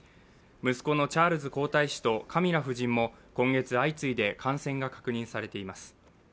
息子のチャールズ皇太子とカミラ夫人も今月相次いで、感染が確認されています。